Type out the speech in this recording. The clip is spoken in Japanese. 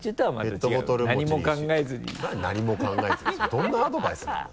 どんなアドバイスなんだ？